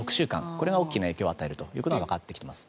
これが大きな影響を与えることがわかってきています。